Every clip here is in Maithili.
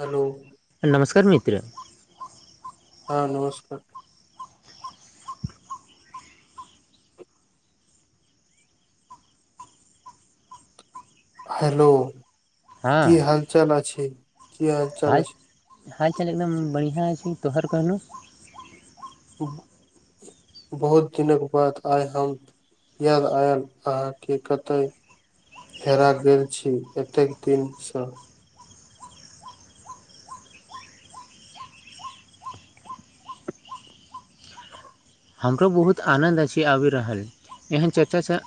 हेलो नमस्कार मित्र हँ नमस्कार हेलो हँ की हाल चाल अ छै की हाल चाल अ हाल चाल एकदम बढ़िआँ छै तोहर कहलहु बहुत दिनक बाद आए हम याद आयल अहाँ के कतए फेरा गेल छी एतेक दिन सँ हमरो बहुत आनन्द अछि आबि रहल एहन चर्चा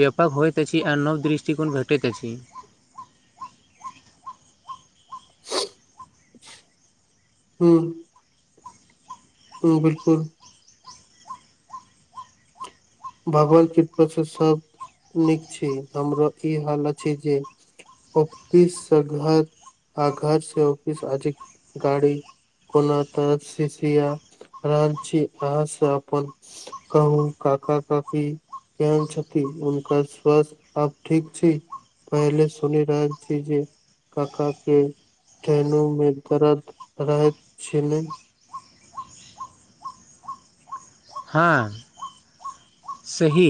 व्यापक होइत अछि आ नव दृष्टिकोण घटैत अछि हू हु बिलकुल भगवान कृपा से सब नीक छी हमर ई हालत छै जे ऑफिस से घर आ घर से ऑफिस आजी गाड़ी कोना त शीशिया रहल छी अहाँ से अपन कहू क का काफी ध्यान छथिति हुनकर स्वास्थ्य अब ठीक छी पहिले सुनी राह जी कका के ट्रेनो में दर्द रहैत छैने हँ सही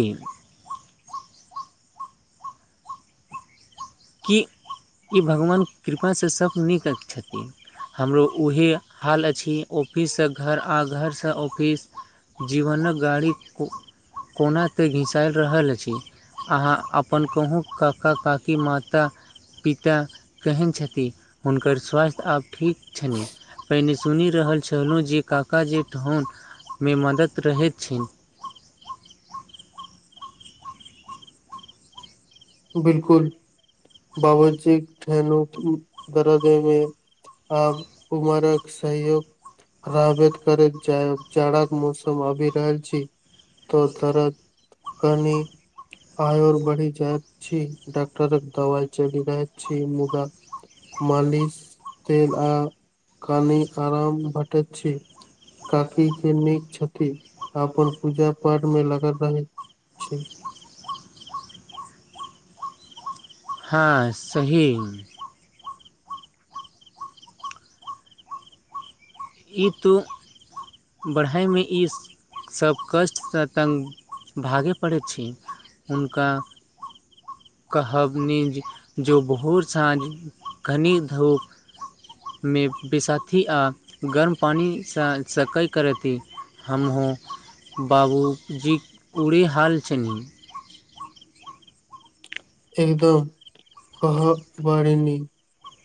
कि ई भगवान कृपा सँ सभ नीक छथिन हमरो उएह हाल अछि ऑफिस सँ घर आ घर सँ ऑफिस जीवनक गाड़ी को कोना ते घिसायल रहल अछि अहाँ अपन कहूँ काका काकी मात माता पिता केहन छथिन हुनकर स्वास्थ्य आब ठीक छनि पहिने सुनि रहल छलहुँ जे काका जे ठोन मे मदति रहैत छै बिलकुल बाबजी ठनु दरद मे आब उमरक सहयोग रबत करैत जााह जाड़ाक मौसम आबि रहल छी त दर्द कनी आयर बढ़ी जात छी डॉकटरक दबाई चलि रहल छै मुदा मालिश तेल आ कनी आराम भेटैत छी। काकी के नीक छथिन अपन पूजा पाठ में लगल रहे छी हँ सही ई तू बढ़ाइमे ई सभ कष्ट सँ तंग भागय पड़ै छै हुनका कहब ने जे जो भोर साँझ कनि धूप मे वैसथी आ गरम पानि सँ सेकाइ करैति हमहुं बाबूजी बुड़ी हाल छनि। एकदम कहाँ बारेनि।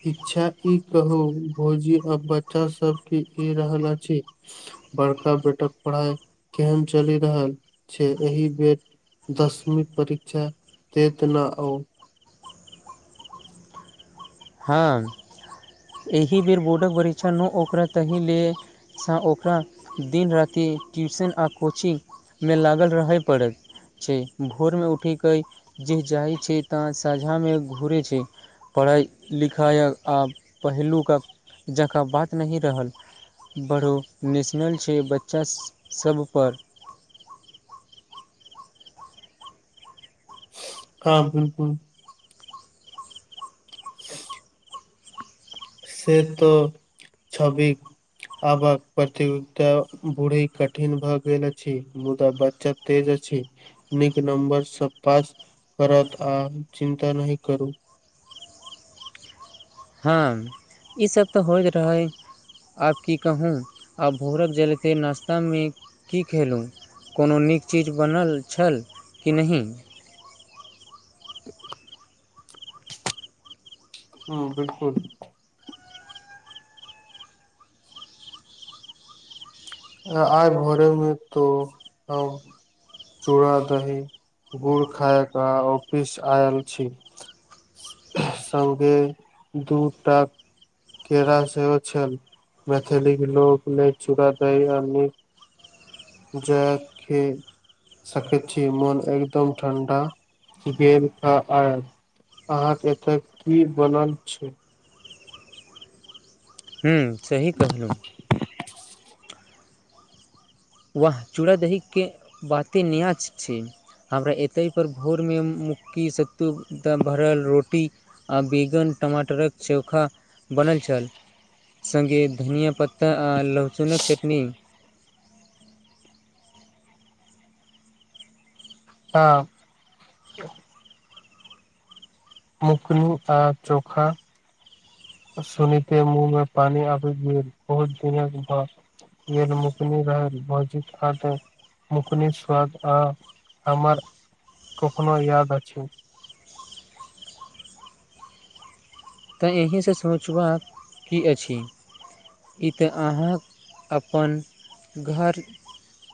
इच्छा ई कहू भोजी अ बच्चा सब की कइ रहल अछि। बड़का बेटक पढ़ाइ केहन चलि रहल छै एहि बेर दसवी परीक्षा देत ना अउ। हँ एहि बेर बोर्डके परीक्षा नहि ओकरै ताहि लिए सँ ओकरा दिन राति ट्यूशन आ कोचिंगमे लागल रहय पड़त। छै भोरमे उठयके जे जाइत छै तह सझामे घुरै छै। पढ़ाइ लिखाइक आब पहिलुका जँकाँ बात नहि रहल। बढ़ो नेशनल छै बच्चा सब पर। हँ बिलकुल [unintelligible] से तऽ छवि आबक प्रतियोगिता बूड़ी कठिन भऽ गेल अछि मुदा बच्चा तेज अछि नीक नम्बर सऽ पास करत आ चिन्ता नहि करु हँ ईस तऽ होइत रहे आब की कहूँ आब भोरक जलखै नश्तामे की खेलु कोनो नीक चीज बनल छल कि नहि हँ बिलकुल य भोरेमे तो चूड़ा दही गुड़ खायके ऑफिस आयल छी सगे दुटा केरा सेहो छल। मैथिलीक लोक नहि चूड़ा दही आब नी जए के [unintelligible] सकय छी। मोन एकदम ठण्डा भेल आयल अहाँके एतय की बनल छै हूँ सही कहलहु वाह चूड़ा दहीके बाते नैया छै हमरा एतै पर भोरमे मक्की सत्तू भरल रोटी आ बेगन टमाटरक चोखा बनल छल संगे धनिया पत्ता आ लहसुनक चटनी तब औंकलू आ चोखा सुनीते मुँह मे पानी आबि गेल बहुत दिनक बाद येहन मुकनी रहै भौजीक हाथे मुकनीक स्वाद आ हमर टोकना याद अछि तैं एहिसँ सोचबाक की अछि ई तऽ अहाँ अपन घर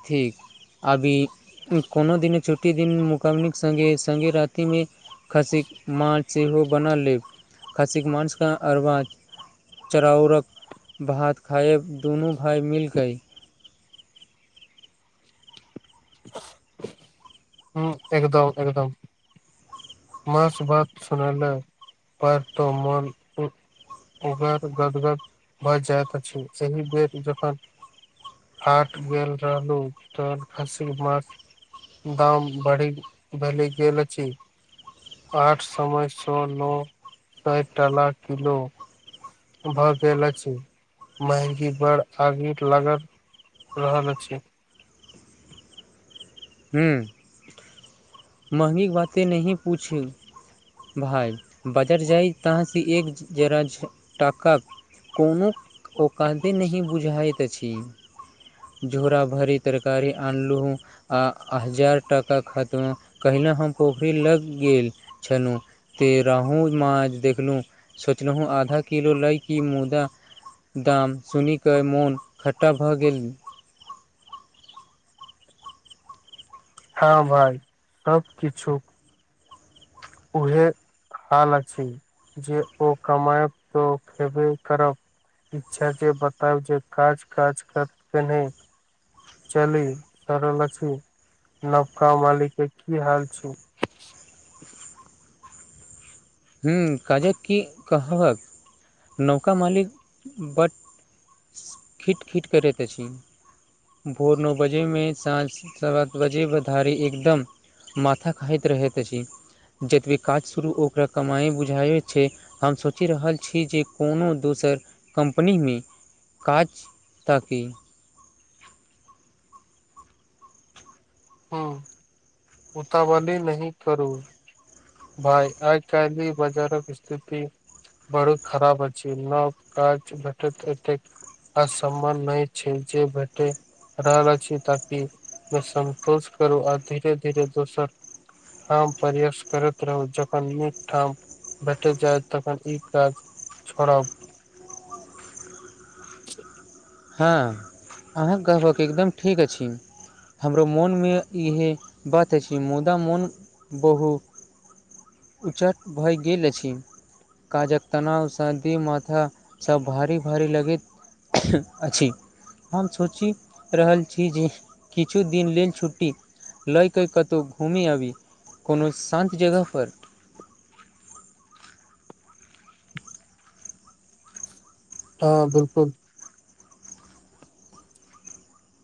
ठीक अभी कोनो दिन छुट्टी दिन मुक्मिक संगे संगे रातिमे खसीक मास सेहो बना लेब खासिक मांसका अरवा चराउरक भात खाय दुनू भााय मिल कैय [unintelligible] हॅं एकदम एकदम मास भात सुन ले पर तो मन गदगद भए जाइत अछि एहि बेर जखन हाट गेल रहलहूँ तहन खस्सी मांस दाम बढ़ी भेल गेल अछि आठ समय सए नओ साठ टाला किलो भए गेल अछि महंगी बड़ आगि लागल रहल अछि हूँ मंहगी क नहि भाय बजट जाय तहसँ एक जरा टाका कोनो [unintelligible] बाते नहि बुझाइत अछि झोरा भरी तरकारी आनलहुं आ हजार टका खत्म कहिने हम पोखरि लग गेल छलहुँ ते रेहू माँछ देखलू सोचलहु आधा किलो लयकेँ मुदा दाम सुनिकऽ मोन खट्टा भऽ गेल हँ भाइ सभ किछु उहे हाल अछि जे ओ कमायब तऽ खेबे करब इच्छा जे बताउ जे काज काज कर नहि चली रहल अछि नवका मालिक केँ की हाल छै हूँ काजक की कहवक नवका मालिक बढ खिट खिट करैत अछि भोर नओ बजे में साँझ सात बजे धरि एकदम माथा खाइत रहैत अछि जतबे काज शुरू ओकरा कमाइ बुझाइ छै- हम सोचि रहल छी जे कोनो दोसर कम्पनीमें काज ताकि हँ उतावली नहि करू भाइ आइ कालहि बाजारक स्थिति बड़ खराब अछि नब काज भेटैत एतेक आसामन नहि छै जे भैटे रहल अछि ताकि सन्तोष करू आ धीरे धीरे दोसर ठाम प्रयास करैत रहु जखन निकठाम भेट जाय तखन ई काज छोड़ब [inaudible] हँ अहाँ केँ कहबक एकदम ठीक अछि हमरो मोनमे इएहे बात अछि मुदा मोन बहुत उचट भय गेल अछि काजक तनाव सांति माथा सभ भारी भारी लगैत अछि- हम सोचि रहल छी जे किछु दिन लेल छुट्टी लए कऽ कतहु घूमी आबी कोनो शान्त जगहपर हँ बिल्कुल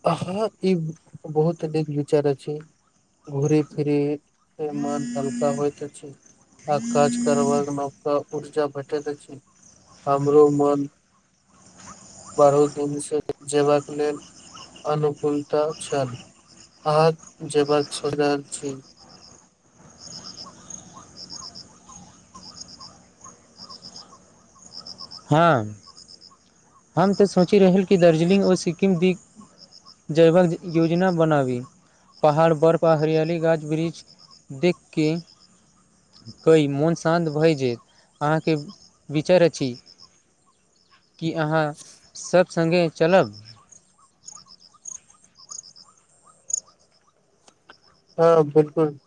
हाँ ई बहुत निक विचार अछि घुरी फिरी मन हल्का होइत अछि आ काज करबाक नबका उर्जा भेटैत अछि हमरो मन बढ दिनसँ जेबाककँ लेल अनुकूलता छनि अहाँ जबाक सोचि रहल छी हँ हम तऽ सोचि रहल कि दार्जिलिङ्ग ओ सिक्किम दि जैवाक योजना बनाबी पहाड़ बर्फ आ हरियाली गाछ वृक्ष देखके मोन शान्त भए जेत अहाँके विचार अछि की अहाँ सब सङ्गे चलब हँ बिल्कुल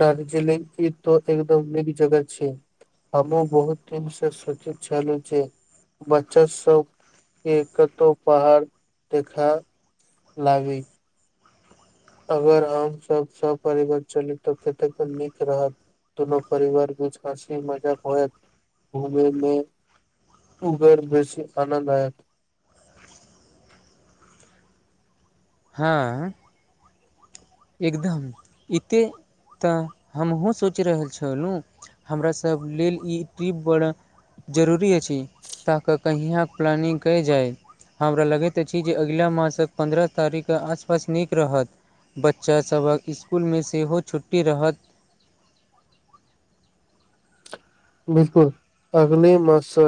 दार्जलिंग ई त एकदम निक जगह छै हमहुँ बहुत दिन से सोचित छलहुँ जे बच्चा सब के कतहु पहाड़ देखा लागै अगर हम सब स पररिवार चली तऽ कते नीक रहत दुननो परिवार बीच हँसी मजक होयत घूमै मे उ बेर बेसी आनन्द अयत हँ एकदम एते तऽ हमहुूँ सोचि रहल छलहुँ हमरा सभ लेल ई ट्रिप बड़ जरूरी अछि ताकऽ कहिआाँ प्लानिग कयल जाइ हमरा लगैत अछि जे अगिला मासके पन्द्रह तारीख के आसपास नीक रहत बच्चा सभक इसकुल मे सेहो छुट्टी रहत बिलकुल अगले मास से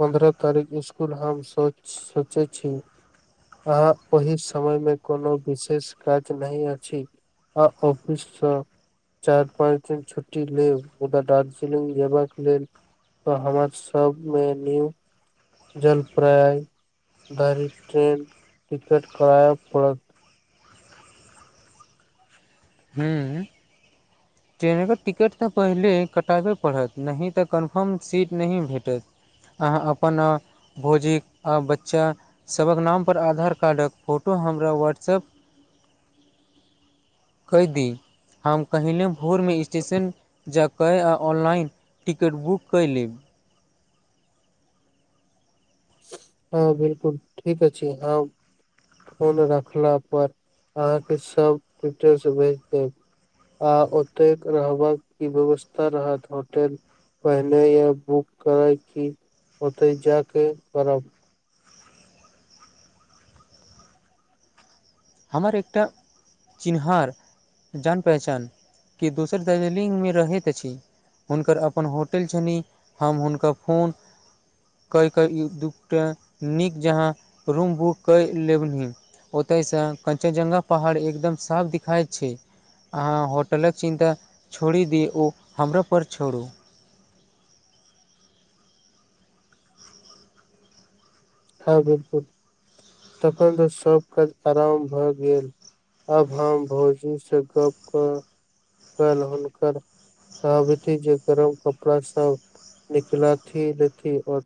पन्द्रह तारीख इसकुल हम सो सोचै छी अहाँ ओहि समय मे कोनो विशेष काज नहि अछि आफिस से चार पाँच दिन छुटी लेब मुदा दार्जिलिंग जेब के लेल त हमर सब मे न्यू जलप्राय धार ट्रेन टिकट करय पड़त हूँ [inaudible] ट्रेनक टिकट तऽ पहिले कटाबै पड़त नहि तऽ कन्फर्म सीट नहि भेटत अहाँ अपन अ भोजीक आ बच्चा सभक नाम पर आधार कार्डक फोटो हमरा व्हाट्सअप कहि दी हम कहहिने भोरमे स्टेशन जा कऽ आ ऑनलाइन टिकट बुक कऽ लेब हँ बिलकुल ठीक अछी हँ फोन रखला पर अहाँके सब डिटेलस भेज देब आ ओतेक रहबाक की व्यवस्था रहत होटेल पहिने य बुक करै क ओते जााक करब हमर एकटा चिन्हहार जान पहिहचान के दोसर दार्जिलिंगग मे रहैत अछि हुनकर अपन होटल छनि हम हुनकर फोन क क दूटा नीक जहाँ रूम बुक क लेबनि ओतयसँ क्चनजगा पहाड़ एकदम साफ दिखाइत छै अहाँ होटलक चिन्ता छोड़ि दि ओ हमरो पर छोड़ू हँ बिलकुल तखन तऽ सब काज आराम भए गेल अब हम भोजी से गप कर कल हुनकर कहबी जे गरम कपड़ा सब निकलाथि लेथि ओर